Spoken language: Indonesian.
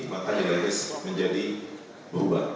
maka nilai restop menjadi berubah